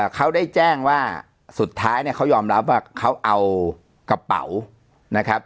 เขาได้แจ้งว่าสุดท้ายเนี่ยเขายอมรับว่าเขาเอากระเป๋านะครับ